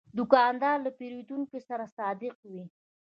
دوکاندار له پیرودونکو سره صادق وي.